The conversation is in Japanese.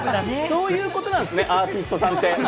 そういうことなんですね、アーティストさんって。